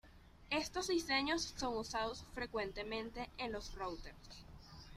Estos diseños son usados frecuentemente en los routers.